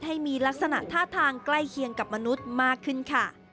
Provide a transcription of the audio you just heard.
ให้มีลักษณะท่าทางใกล้เคียงกับมนุษย์มากขึ้นค่ะ